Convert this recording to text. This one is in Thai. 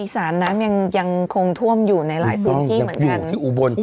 อีสานน้ำยังคงท่วมอยู่ในหลายพืชที่เหมือนกัน